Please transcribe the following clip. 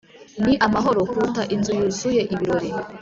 ni amahoro kuruta inzu yuzuye ibirori,